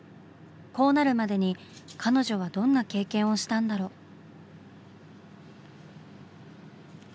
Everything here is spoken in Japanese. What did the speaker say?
こうなるまでに彼女はどんな経験をしたんだろう？